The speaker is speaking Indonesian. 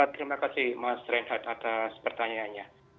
terima kasih mas reinhard atas pertanyaannya